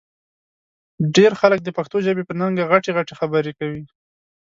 ډېر خلک د پښتو ژبې په ننګه غټې غټې خبرې کوي